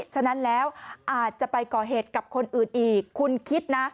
ฉะนั้นแล้วอาจจะไปก่อเหตุกับคนอื่นอีกคุณคิดนะ